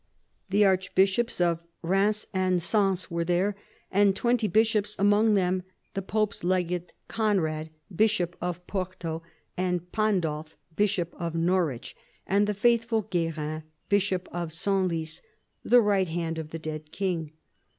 The archbishops of Eheims and Sens were there, and twenty bishops, among them the pope's legate, Conrad, bishop of Porto, and Pandulf, bishop of Norwich, and the faithful G uerin, bishop of Senlis, the right hand of the dead king.